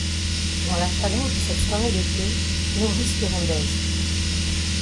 Dans la chaleur de cette soirée d’été, nous respirons d’aise.